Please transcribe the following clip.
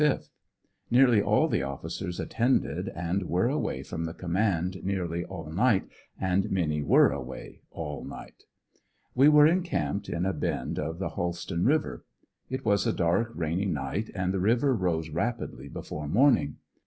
5th. Nearly all the officers attended and were away from the command nearly all right and many were away all night. We were encamped in a bend of the Holston River. It was a dark rainy night and the river rose rapidly before morning.